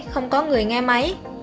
không có người nghe máy